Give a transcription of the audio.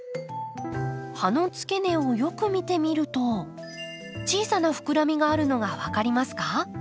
葉の付け根をよく見てみると小さな膨らみがあるのが分かりますか？